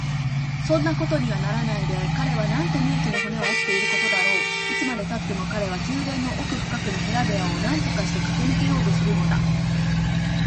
そんなことにはならないで、彼はなんと無益に骨を折っていることだろう。いつまでたっても彼は宮殿の奥深くの部屋部屋をなんとかしてかけ抜けようとするのだ。